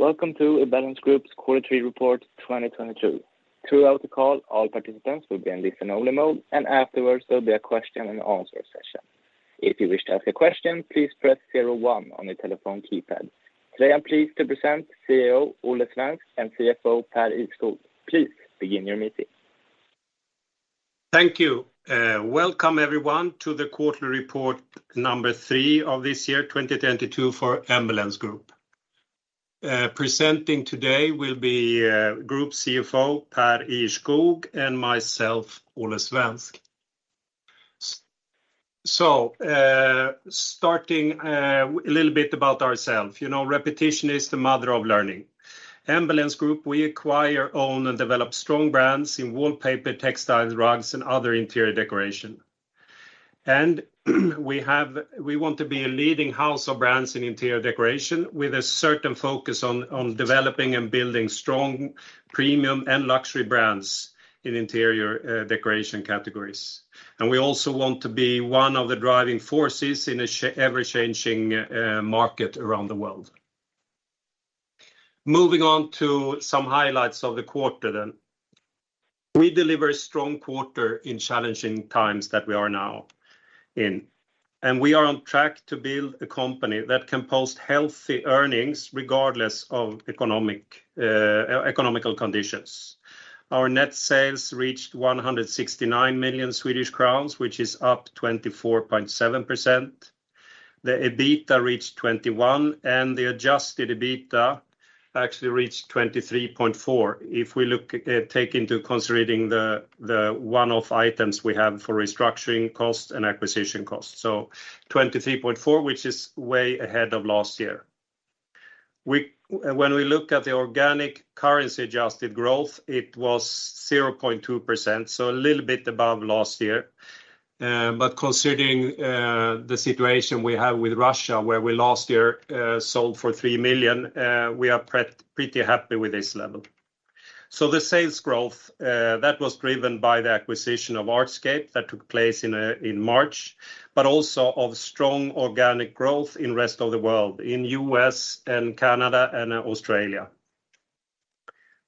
Welcome to Embellence Group's quarter 3 report 2022. Throughout the call, all participants will be in listen only mode, and afterwards there'll be a question and answer session. If you wish to ask a question, please press zero one on your telephone keypad. Today I'm pleased to present CEO Olle Svensk and CFO Pär Ihrskog. Please begin your meeting. Thank you, welcome everyone to the quarterly report number 3 of this year, 2022 for Embellence Group. Presenting today will be Group CFO Pär Ihrskog and myself, Olle Svensk. Starting a little bit about ourselves. You know, repetition is the mother of learning. Embellence Group, we acquire, own, and develop strong brands in wallpaper, textiles, rugs, and other interior decoration. We want to be a leading house of brands in interior decoration with a certain focus on developing and building strong premium and luxury brands in interior decoration categories. We also want to be one of the driving forces in an ever-changing market around the world. Moving on to some highlights of the quarter then. We deliver strong quarter in challenging times that we are now in, and we are on track to build a company that can post healthy earnings regardless of economic conditions. Our net sales reached 169 million Swedish crowns, which is up 24.7%. The EBITDA reached 21 million, and the adjusted EBITDA actually reached 23.4 million if we look, take into consideration the one-off items we have for restructuring costs and acquisition costs. 23.4 million, which is way ahead of last year. When we look at the organic currency adjusted growth, it was 0.2%, so a little bit above last year. But considering the situation we have with Russia, where we last year sold for 3 million, we are pretty happy with this level. The sales growth that was driven by the acquisition of Artscape that took place in March, but also by strong organic growth in rest of the world, in U.S. and Canada and Australia.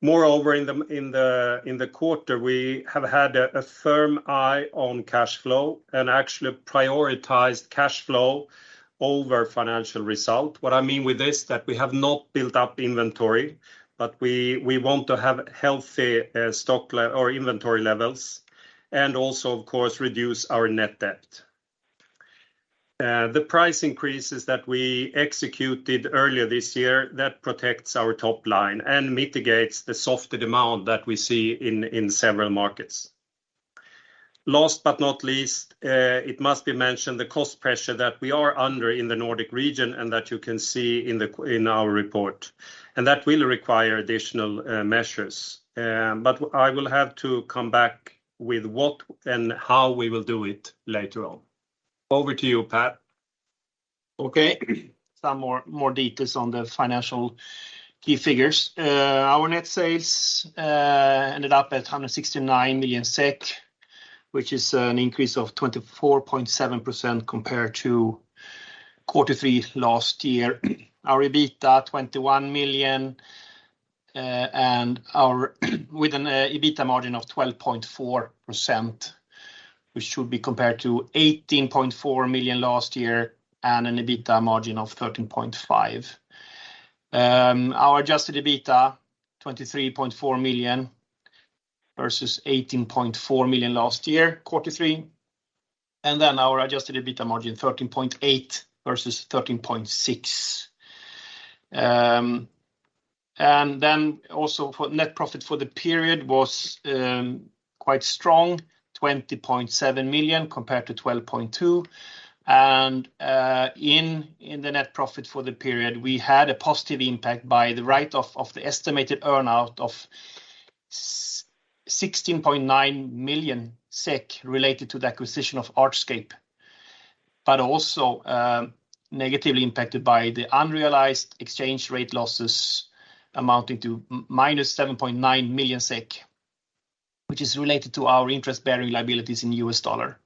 Moreover, in the quarter, we have had a firm eye on cash flow and actually prioritized cash flow over financial result. What I mean with this, that we have not built up inventory, but we want to have healthy inventory levels and also of course, reduce our net debt. The price increases that we executed earlier this year, that protects our top line and mitigates the softer demand that we see in several markets. Last but not least, it must be mentioned the cost pressure that we are under in the Nordic region, and that you can see in our report. That will require additional measures, but I will have to come back with what and how we will do it later on. Over to you, Pär. Okay. Some more details on the financial key figures. Our net sales ended up at 169 million SEK, which is an increase of 24.7% compared to quarter three last year. Our EBITDA, 21 million, and our EBITDA margin of 12.4%, which should be compared to 18.4 million last year and an EBITDA margin of 13.5%. Our adjusted EBITDA, 23.4 million versus 18.4 million last year, quarter three, and then our adjusted EBITDA margin, 13.8% versus 13.6%. And then also for net profit for the period was quite strong, 20.7 million compared to 12.2 million. In the net profit for the period, we had a positive impact by the write-off of the estimated earn-out of 16.9 million SEK related to the acquisition of Artscape. Also negatively impacted by the unrealized exchange rate losses amounting to -7.9 million SEK, which is related to our interest-bearing liabilities in U.S. dollar.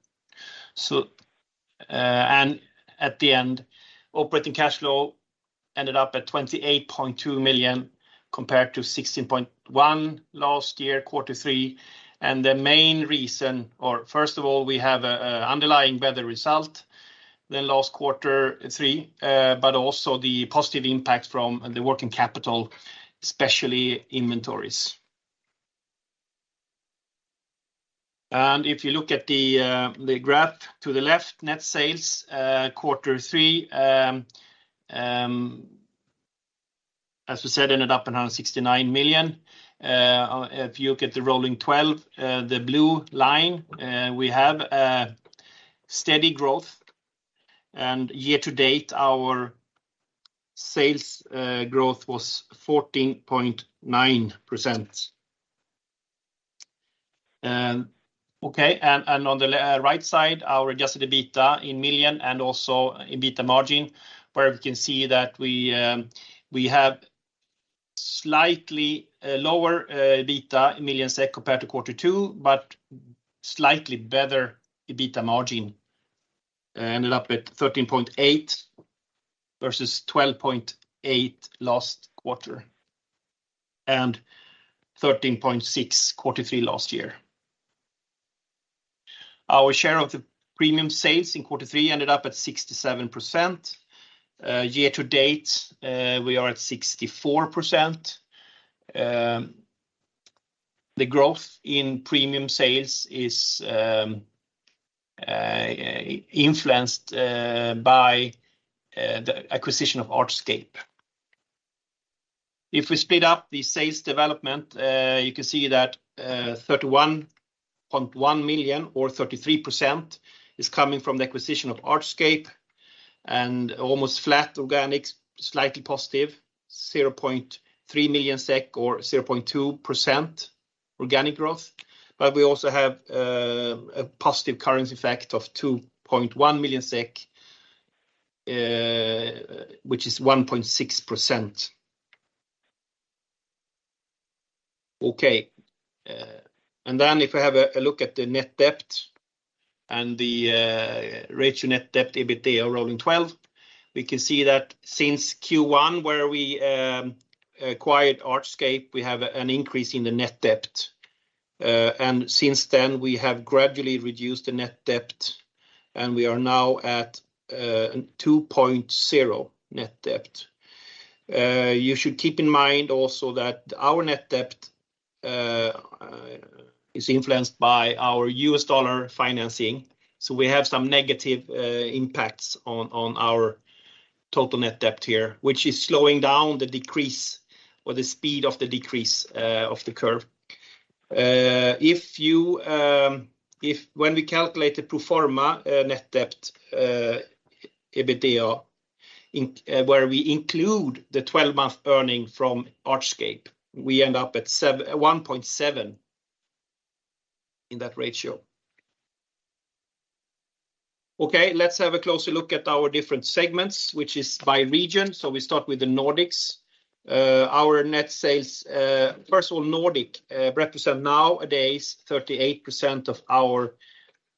At the end, operating cash flow ended up at 28.2 million compared to 16.1 million last year, quarter three. The main reason or first of all, we have a underlying better result than last quarter three, but also the positive impact from the working capital, especially inventories. If you look at the graph to the left, net sales, quarter three, as we said, ended up in 169 million. If you look at the rolling twelve, the blue line, we have a steady growth and year to date, our sales growth was 14.9%. Okay, on the right side, our adjusted EBITDA in millions and also EBITDA margin, where we can see that we have slightly lower EBITDA in millions SEK compared to quarter two, but slightly better EBITDA margin. Ended up at 13.8 versus 12.8 last quarter and 13.6 quarter three last year. Our share of the premium sales in quarter three ended up at 67%. Year to date, we are at 64%. The growth in premium sales is influenced by the acquisition of Artscape. If we split up the sales development, you can see that 31.1 million or 33% is coming from the acquisition of Artscape and almost flat organics, slightly positive, 0.3 million SEK or 0.2% organic growth. We also have a positive currency effect of 2.1 million SEK, which is 1.6%. Okay. If we have a look at the net debt and the net debt/EBITDA ratio rolling twelve, we can see that since Q1, where we acquired Artscape, we have an increase in the net debt. Since then we have gradually reduced the net debt, and we are now at 2.0 net debt. You should keep in mind also that our net debt is influenced by our US dollar financing. We have some negative impacts on our total net debt here, which is slowing down the decrease or the speed of the decrease of the curve. If when we calculate the pro forma net debt EBITDA where we include the 12-month earnings from Artscape, we end up at 1.7 in that ratio. Okay, let's have a closer look at our different segments, which is by region. We start with the Nordics. Our net sales first of all Nordic represent nowadays 38% of our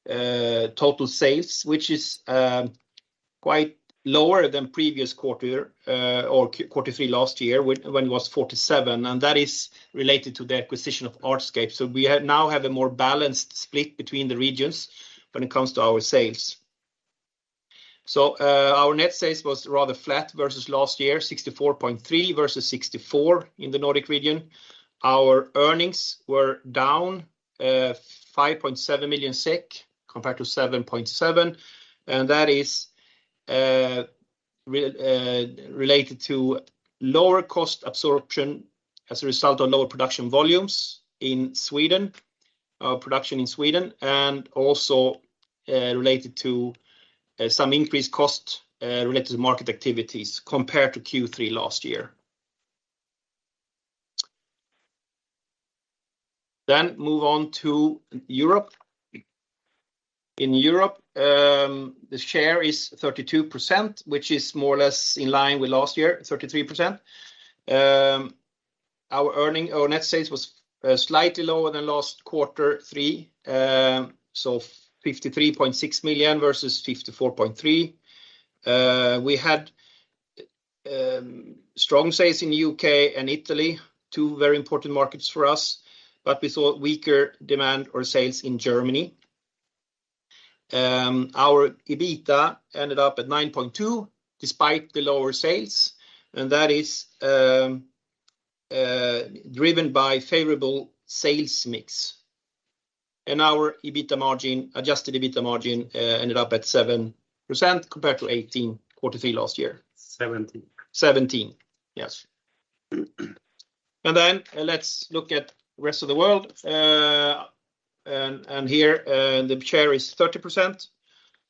total sales, which is quite lower than previous quarter or quarter three last year, when it was 47%, and that is related to the acquisition of Artscape. We now have a more balanced split between the regions when it comes to our sales. Our net sales was rather flat versus last year, 64.3 million versus 64 million in the Nordic region. Our earnings were down 5.7 million SEK compared to 7.7 million, and that is related to lower cost absorption as a result of lower production volumes in Sweden, production in Sweden, and also related to some increased cost related to market activities compared to Q3 last year. Move on to Europe. In Europe, the share is 32%, which is more or less in line with last year, 33%. Our net sales was slightly lower than last Q3, so 53.6 million versus 54.3 million. We had strong sales in UK and Italy, two very important markets for us, but we saw weaker demand or sales in Germany. Our EBITDA ended up at 9.2 despite the lower sales, and that is driven by favorable sales mix. Our EBITDA margin, adjusted EBITDA margin, ended up at 7% compared to 18% quarter three last year. Seventeen. Seventeen. Yes. Then let's look at rest of the world. Here, the share is 30%,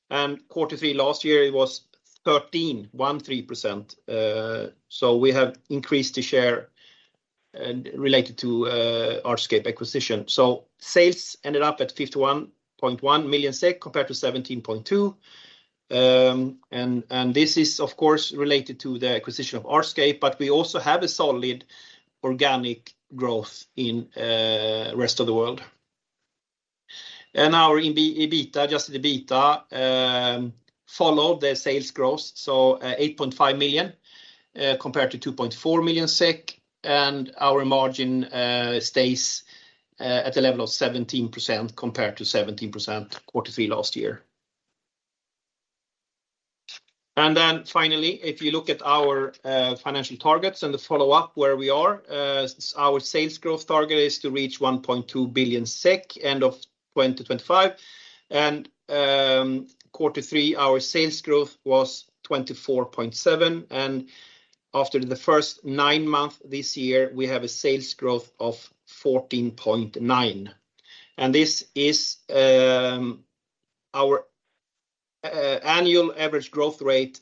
and quarter three last year it was 13.1%. So we have increased the share related to Artscape acquisition. Sales ended up at 51.1 million SEK compared to 17.2 million. This is of course related to the acquisition of Artscape, but we also have a solid organic growth in rest of the world. Our EBITDA, adjusted EBITDA, followed the sales growth, so 8.5 million compared to 2.4 million SEK, and our margin stays at a level of 17% compared to 17% quarter three last year. Then finally, if you look at our financial targets and the follow-up where we are, our sales growth target is to reach 1.2 billion SEK end of 2025. Quarter three, our sales growth was 24.7%, and after the first nine months this year, we have a sales growth of 14.9%. This is our annual average growth rate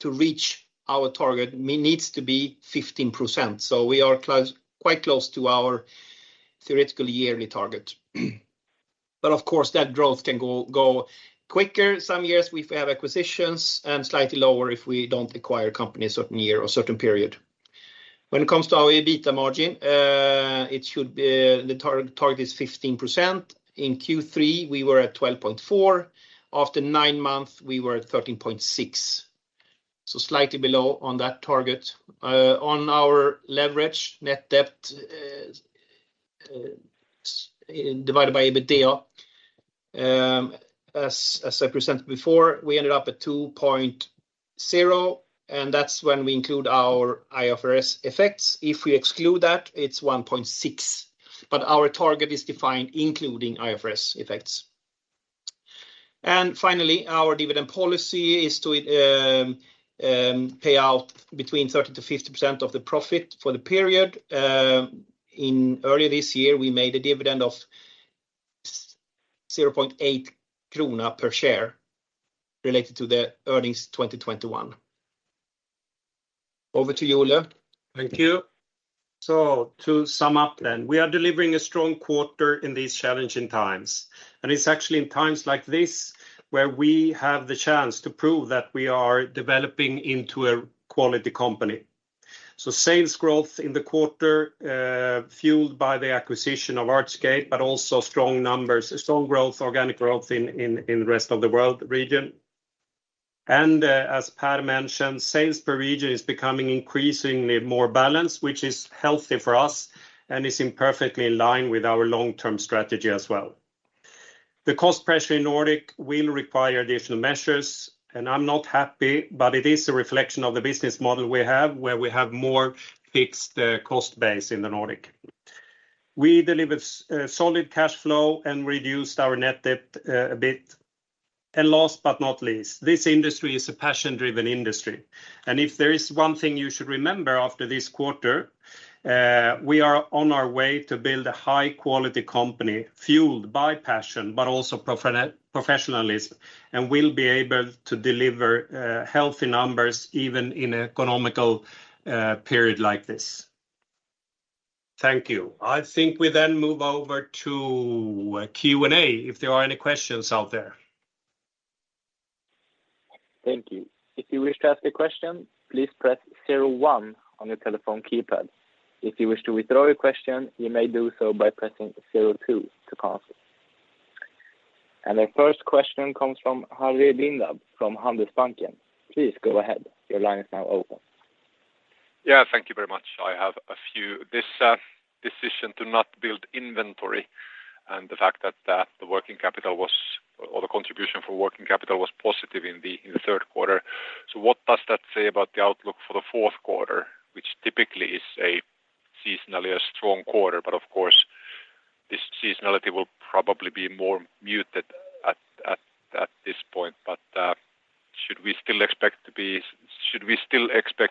to reach our target needs to be 15%. We are close, quite close to our theoretical yearly target. Of course, that growth can go quicker some years if we have acquisitions and slightly lower if we don't acquire companies certain year or certain period. When it comes to our EBITDA margin, it should be, the target is 15%. In Q3, we were at 12.4%. After nine months, we were at 13.6, so slightly below on that target. On our leverage, net debt divided by EBITDA, as I presented before, we ended up at 2.0, and that's when we include our IFRS effects. If we exclude that, it's 1.6. Our target is defined including IFRS effects. Finally, our dividend policy is to pay out between 30%-50% of the profit for the period. In early this year, we made a dividend of 0.8 krona per share related to the earnings 2021. Over to you, Olle. Thank you. To sum up then, we are delivering a strong quarter in these challenging times, and it's actually in times like this where we have the chance to prove that we are developing into a quality company. Sales growth in the quarter, fueled by the acquisition of Artscape, but also strong numbers, strong growth, organic growth in the rest of the world region. As Pär mentioned, sales per region is becoming increasingly more balanced, which is healthy for us and is perfectly in line with our long-term strategy as well. The cost pressure in Nordic will require additional measures, and I'm not happy, but it is a reflection of the business model we have, where we have more fixed cost base in the Nordic. We delivered solid cash flow and reduced our net debt a bit. Last but not least, this industry is a passion-driven industry. If there is one thing you should remember after this quarter, we are on our way to build a high-quality company fueled by passion but also professionalism, and we'll be able to deliver healthy numbers even in economic period like this. Thank you. I think we then move over to Q&A if there are any questions out there. Thank you. If you wish to ask a question, please press zero one on your telephone keypad. If you wish to withdraw your question, you may do so by pressing zero two to cancel. The first question comes from Harry Rindahi from Handelsbanken. Please go ahead. Your line is now open. Yeah. Thank you very much. I have a few. This decision to not build inventory and the fact that the contribution for working capital was positive in the third quarter. What does that say about the outlook for the fourth quarter, which typically is seasonally strong quarter, but of course, this seasonality will probably be more muted at this point. Should we still expect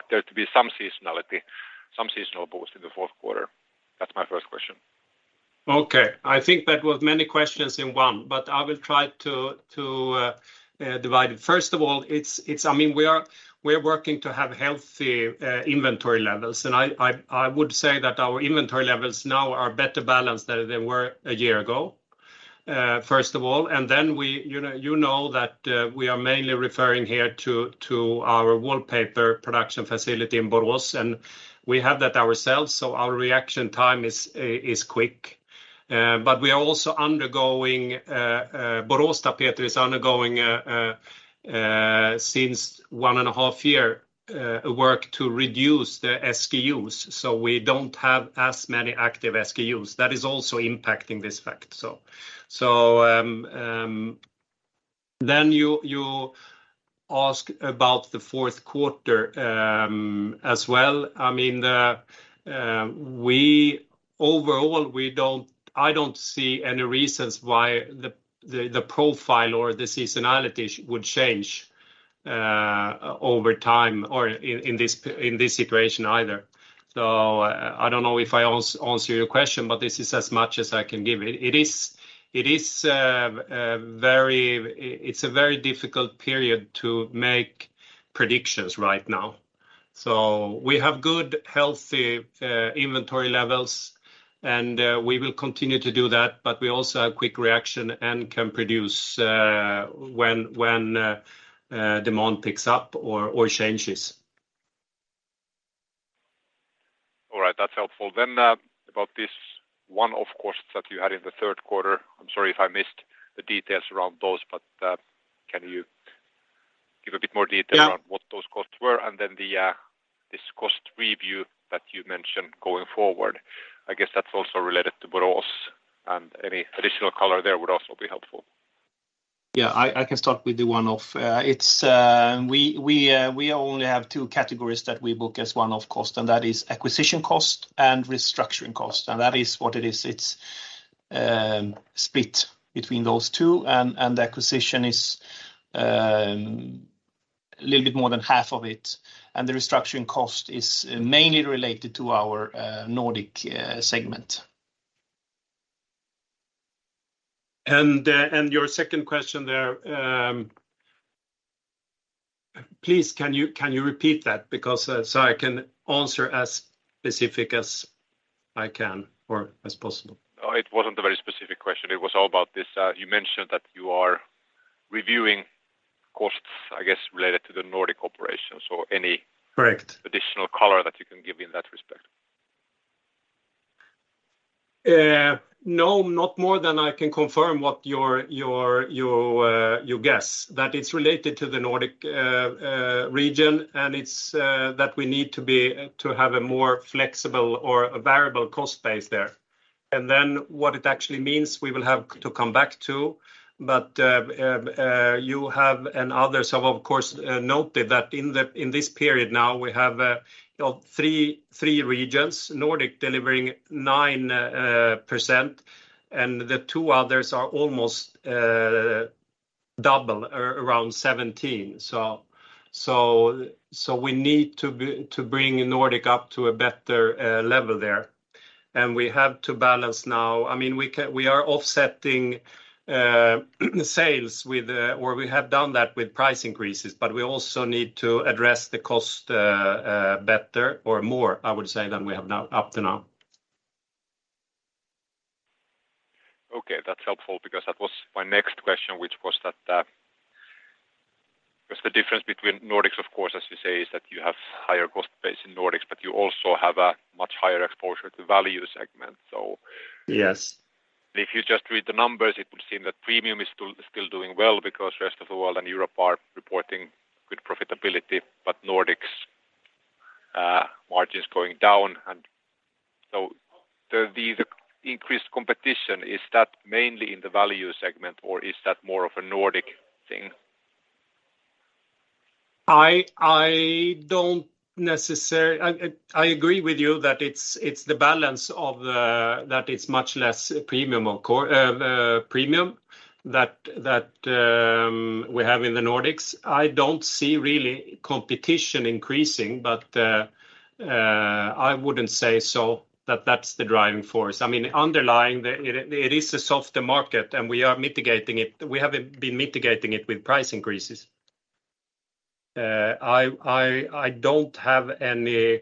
there to be some seasonality, some seasonal boost in the fourth quarter? That's my first question. Okay. I think that was many questions in one, but I will try to divide it. First of all, I mean, we're working to have healthy inventory levels, and I would say that our inventory levels now are better balanced than they were a year ago, first of all. Then we, you know, you know that we are mainly referring here to our wallpaper production facility in Borås, and we have that ourselves, so our reaction time is quick. But we are also undergoing Boråstapeter is undergoing since one and a half year work to reduce the SKUs, so we don't have as many active SKUs. That is also impacting this fact, so. You ask about the fourth quarter, as well. I mean, overall, I don't see any reasons why the profile or the seasonality would change over time or in this situation either. I don't know if I answer your question, but this is as much as I can give. It is a very difficult period to make predictions right now. We have good, healthy inventory levels, and we will continue to do that, but we also have quick reaction and can produce when demand picks up or changes. All right. That's helpful. About this one-off costs that you had in the third quarter, I'm sorry if I missed the details around those, but, can you give a bit more detail? Yeah around what those costs were and then this cost review that you mentioned going forward? I guess that's also related to Boråstapeter, and any additional color there would also be helpful. Yeah. I can start with the one-off. We only have two categories that we book as one-off cost, and that is acquisition cost and restructuring cost, and that is what it is. It's split between those two and the acquisition is little bit more than half of it, and the restructuring cost is mainly related to our Nordic segment. Your second question there, please can you repeat that because I can answer as specific as I can or as possible. No, it wasn't a very specific question. It was all about this, you mentioned that you are reviewing costs, I guess, related to the Nordic operations or any. Correct additional color that you can give in that respect. No, not more than I can confirm what your guess that it's related to the Nordic region and that we need to have a more flexible or a variable cost base there. What it actually means, we will have to come back to. You have and others have, of course, noted that in this period now we have, you know, three regions, Nordic delivering 9%, and the two others are almost double or around 17%. We need to bring Nordic up to a better level there. We have to balance now. I mean, we are offsetting sales with or we have done that with price increases, but we also need to address the cost better or more, I would say, than we have now up to now. Okay. That's helpful because that was my next question, which was that, 'cause the difference between Nordics, of course, as you say, is that you have higher cost base in Nordics, but you also have a much higher exposure to value segment, so. Yes. If you just read the numbers, it would seem that premium is still doing well because rest of the world and Europe are reporting good profitability, but Nordics, margin's going down. The increased competition, is that mainly in the value segment, or is that more of a Nordic thing? I agree with you that it's the balance of that it's much less premium that we have in the Nordics. I don't see really competition increasing, but I wouldn't say so that that's the driving force. I mean, it is a softer market, and we are mitigating it. We have been mitigating it with price increases. I don't have any, you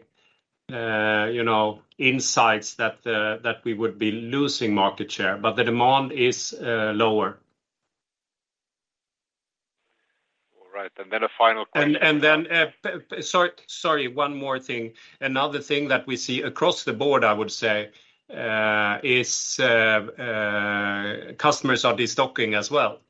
know, insights that we would be losing market share, but the demand is lower. All right. A final question- Sorry, one more thing. Another thing that we see across the board, I would say, is customers are destocking as well.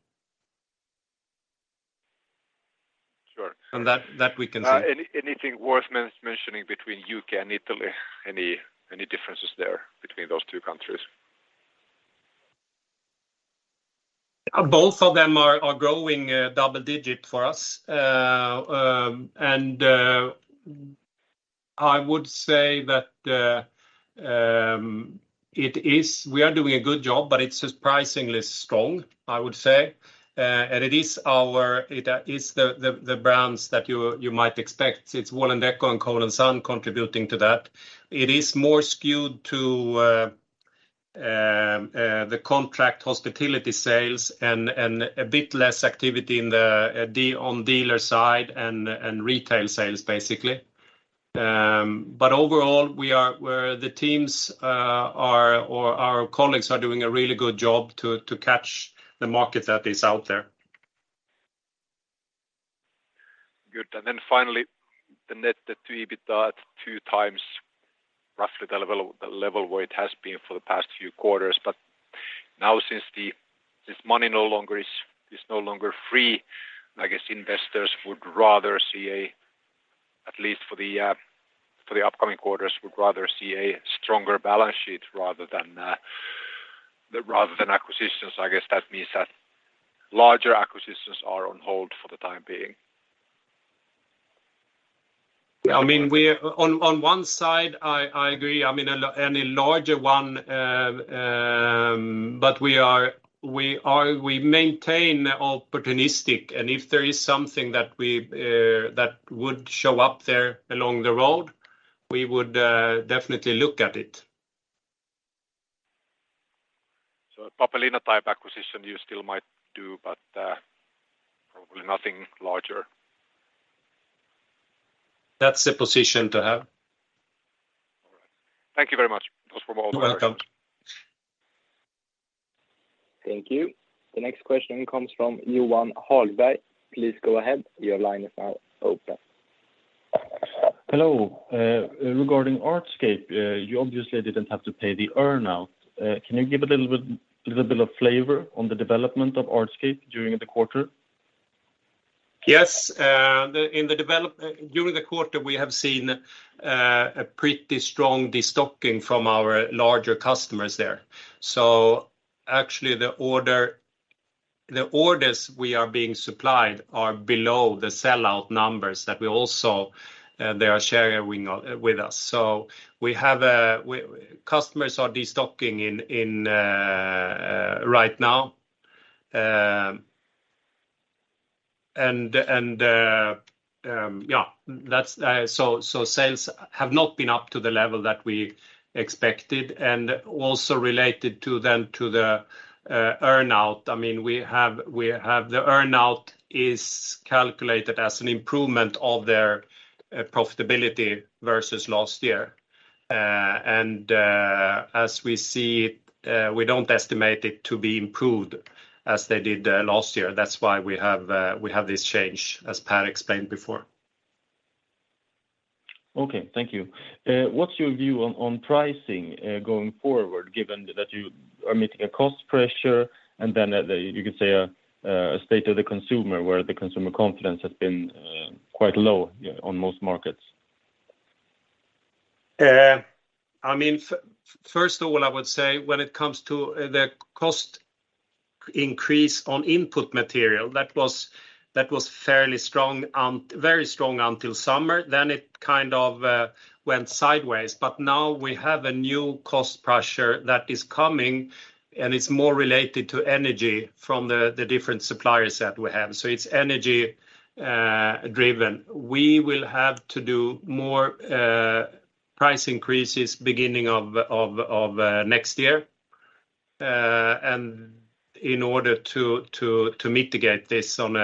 Sure. That we can see. Anything worth mentioning between UK and Italy? Any differences there between those two countries? Both of them are growing double digit for us. I would say that we are doing a good job, but it's surprisingly strong, I would say. It is the brands that you might expect. It's Wall&decò and Cole & Son contributing to that. It is more skewed to the contract hospitality sales and a bit less activity in the dealer side and retail sales, basically. Overall, our colleagues are doing a really good job to catch the market that is out there. Good. Finally, the net debt to EBITDA at 2x, roughly the level where it has been for the past few quarters. Now since money is no longer free, I guess investors would rather see, at least for the upcoming quarters, a stronger balance sheet rather than acquisitions. I guess that means that larger acquisitions are on hold for the time being. I mean, we're on one side. I agree. I mean, any larger one, but we maintain opportunistic, and if there is something that would show up there along the road, we would definitely look at it. A Pappelina-type acquisition you still might do, but probably nothing larger. That's the position to have. All right. Thank you very much. That's from all. You're welcome. Thank you. The next question comes from Johan Dalby. Please go ahead. Your line is now open. Hello. Regarding Artscape, you obviously didn't have to pay the earn-out. Can you give a little bit of flavor on the development of Artscape during the quarter? Yes. During the quarter, we have seen a pretty strong destocking from our larger customers there. Actually, the orders we are supplying are below the sell-out numbers that we all saw they are sharing with us. Customers are destocking right now. Sales have not been up to the level that we expected and also related to the earn-out. I mean, the earn-out is calculated as an improvement of their profitability versus last year. As we see, we don't estimate it to be improved as they did last year. That's why we have this change, as Pär explained before. Okay. Thank you. What's your view on pricing going forward, given that you are meeting a cost pressure and you could say a state of the consumer where the consumer confidence has been quite low on most markets? I mean, first of all, I would say when it comes to the cost increase on input material, that was fairly strong, very strong until summer, then it kind of went sideways. Now we have a new cost pressure that is coming, and it's more related to energy from the different suppliers that we have. It's energy driven. We will have to do more price increases beginning of next year. In order to mitigate this in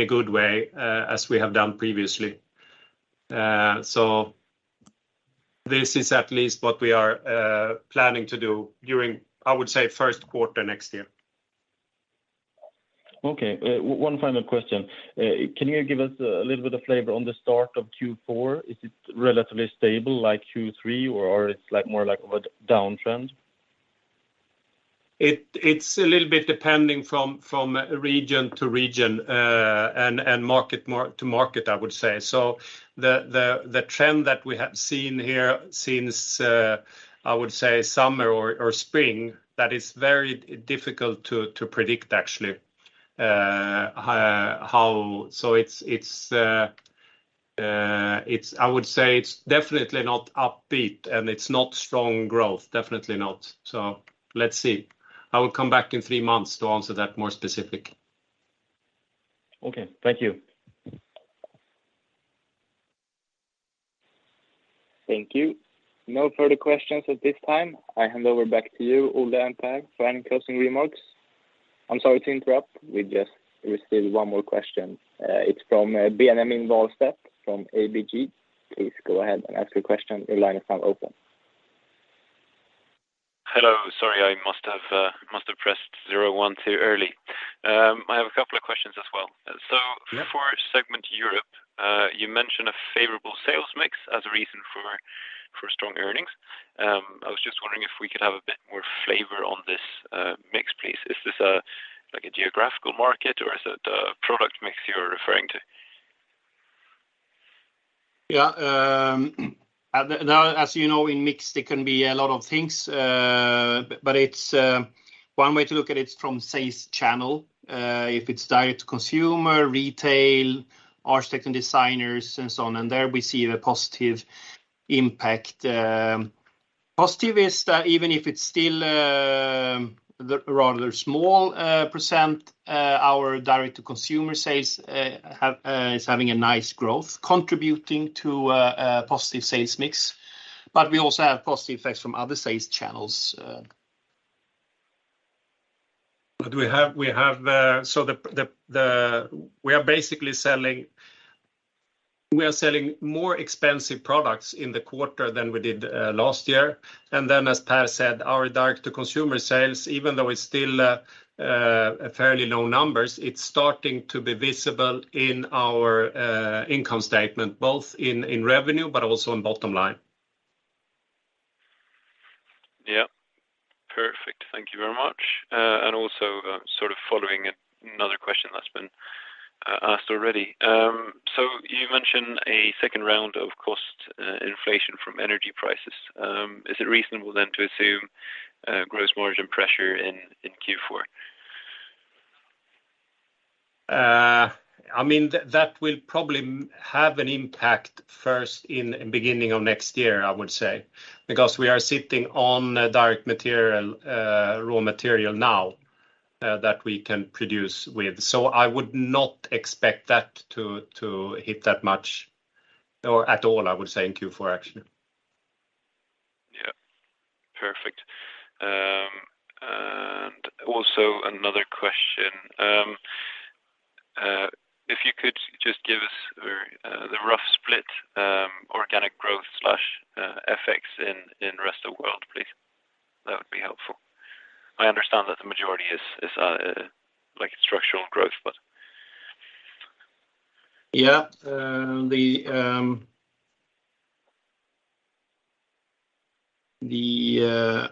a good way, as we have done previously. This is at least what we are planning to do during, I would say, first quarter next year. Okay. One final question. Can you give us a little bit of flavor on the start of Q4? Is it relatively stable like Q3, or it's like more like of a downtrend? It's a little bit depending from region to region, and market to market, I would say. The trend that we have seen here since I would say summer or spring is very difficult to predict actually. It's, I would say, definitely not upbeat, and it's not strong growth. Definitely not. Let's see. I will come back in three months to answer that more specific. Okay. Thank you. Thank you. No further questions at this time. I hand over back to you, Olle and Pär, for any closing remarks. I'm sorry to interrupt. We just received one more question. It's from. The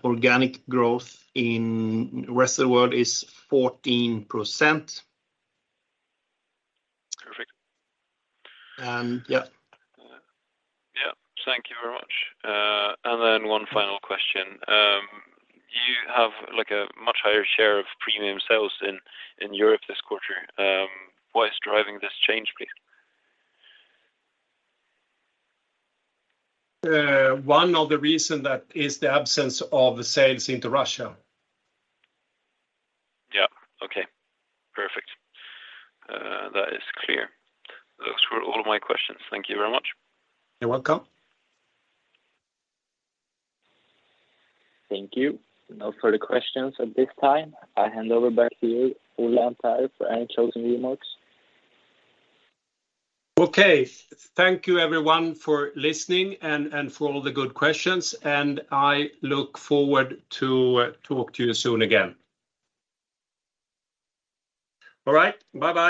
organic growth in rest of the world is 14%. Perfect. Yeah. Yeah. Thank you very much. One final question. You have like a much higher share of premium sales in Europe this quarter. What is driving this change, please? One of the reason that is the absence of sales into Russia. Yeah. Okay. Perfect. That is clear. Those were all my questions. Thank you very much. You're welcome. Thank you. No further questions at this time. I hand over back to you, Olle and Pär, for any closing remarks. Okay. Thank you everyone for listening and for all the good questions, and I look forward to talk to you soon again. All right. Bye-bye.